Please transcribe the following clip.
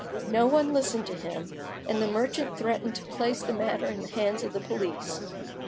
No one listened to him, and the merchant threatened to place the matter in the hands of the police.